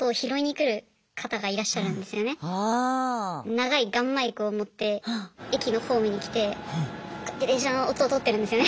長いガンマイクを持って駅のホームに来てこうやって電車の音をとってるんですよね。